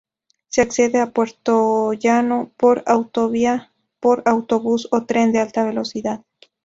Se accede a Puertollano por Autovía, por autobús o tren de alta velocidad.